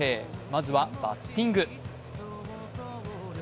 まずはバッティング。